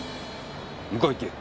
向こう行け。